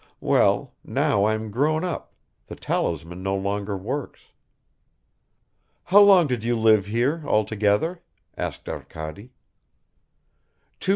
Well, now I'm grown up, the talisman no longer works." "How long did you live here altogether?" asked Arkady.